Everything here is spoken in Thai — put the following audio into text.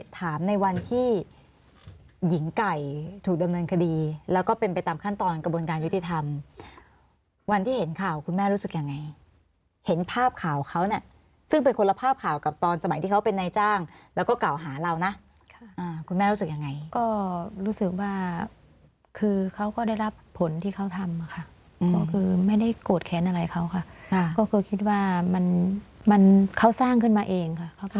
ตามขั้นตอนกระบวนการยุติธรรมวันที่เห็นข่าวคุณแม่รู้สึกยังไงเห็นภาพข่าวเขาเนี่ยซึ่งเป็นคนละภาพข่าวกับตอนสมัยที่เขาเป็นในจ้างแล้วก็เก่าหาเรานะคุณแม่รู้สึกยังไงก็รู้สึกว่าคือเขาก็ได้รับผลที่เขาทำค่ะก็คือไม่ได้โกรธแขนอะไรเขาค่ะก็คือคิดว่ามันมันเขาสร้างขึ้นมาเองค่ะเข